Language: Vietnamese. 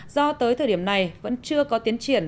do tới thời điểm này vẫn chưa có tiến triển